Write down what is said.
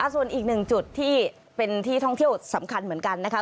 ส่วนอีกหนึ่งจุดที่เป็นที่ท่องเที่ยวสำคัญเหมือนกันนะคะ